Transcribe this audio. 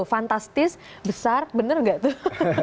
fantastis besar bener gak tuh